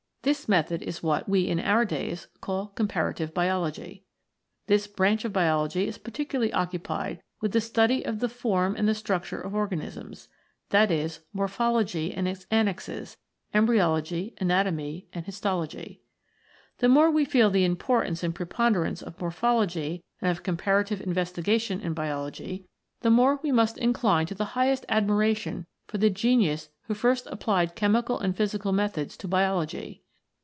This method is what we in our days call Comparative Biology. This branch of Biology is particularly occupied with the study of the form and the structure of organisms, that is, Mor phology and its annexes, Embryology, Anatomy, and Histology. The more we feel the importance and pre ponderance of Morphology and of comparative investigation in Biology, the more \ve must in 3 CHEMICAL PHENOMENA IN LIFE cline to the highest admiration for the genius who first applied chemical and physical methods to Biology.